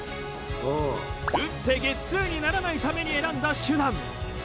打ってゲッツーにならないために選んだ手段。